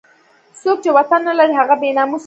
څوک چې وطن نه لري هغه بې ناموسه وي.